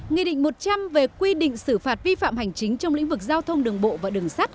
nghị định một trăm linh về quy định xử phạt vi phạm hành chính trong lĩnh vực giao thông đường bộ và đường sắt